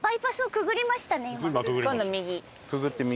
くぐって右。